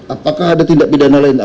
apakah ada tindak pidana lain